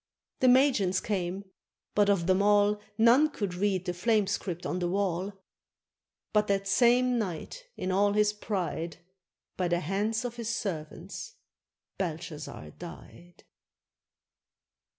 The magians came, but of them all. None could read the flame script on the wall. But that same night, in all his pride, By the hands of his servants Belshazzar died.